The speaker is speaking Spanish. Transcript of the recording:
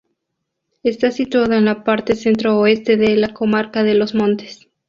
Está situada en la parte centro-oeste de la comarca de Los Montes.